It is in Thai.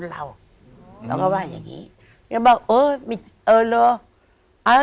แล้วบอกเออมีเออแล้ว